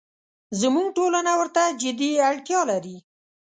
زموږ ټولنه ورته جدي اړتیا لري.